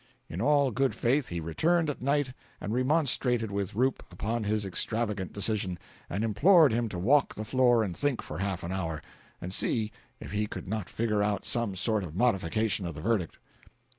In all good faith he returned at night and remonstrated with Roop upon his extravagant decision, and implored him to walk the floor and think for half an hour, and see if he could not figure out some sort of modification of the verdict.